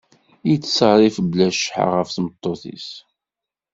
Yettṣerrif bla cceḥḥa ɣef tmeṭṭut-is.